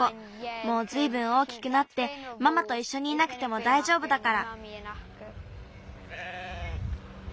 もうずいぶん大きくなってママといっしょにいなくてもだいじょうぶだから。